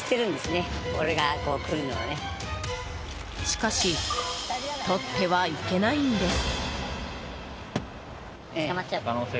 しかしとってはいけないんです。